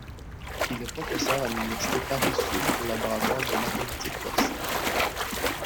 Il est professeur à l'Université Paris-Sud au laboratoire de mathématiques d'Orsay.